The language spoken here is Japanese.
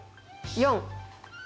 ４。